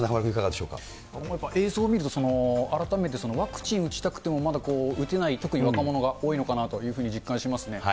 映像見ると、改めて、ワクチン打ちたくてもまだ打てない、特に若者が多いのかなというふうに実感しますね。